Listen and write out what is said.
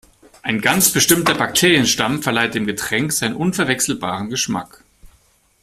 Ein ganz bestimmter Bakterienstamm verleiht dem Getränk seinen unverwechselbaren Geschmack.